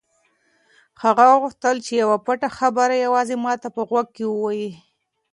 هغه غوښتل چې یوه پټه خبره یوازې ما ته په غوږ کې ووایي.